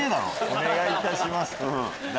お願いいたします。